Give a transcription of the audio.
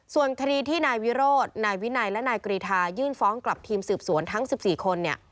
ส่วนคดีที่นายวิโรธนายวินัยและนายกรีธายื่นฟ้องกลับทีมสืบสวนทั้ง๑๔คน